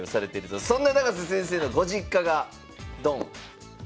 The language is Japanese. そんな永瀬先生のご実家がドン。